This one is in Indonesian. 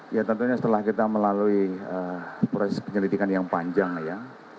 ya tentunya setelah kita melalui proses penyelidikan yang panjang ya